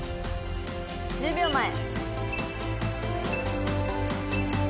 １０秒前。